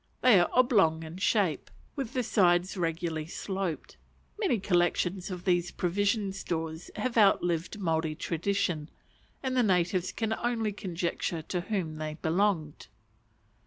They are oblong in shape, with the sides regularly sloped. Many collections of these provision stores have outlived Maori tradition, and the natives can only conjecture to whom they belonged.